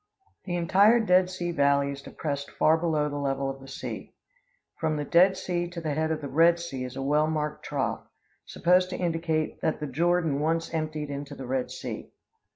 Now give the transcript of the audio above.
The entire Dead Sea valley is depressed far below the level of the sea. From the Dead Sea to the head of the Red Sea is a well marked trough, supposed to indicate that the Jordan once emptied into the Red Sea.